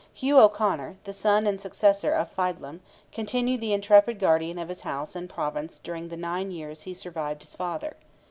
Hugh O'Conor, the son and successor of Feidlim, continued the intrepid guardian of his house and province during the nine years he survived his father.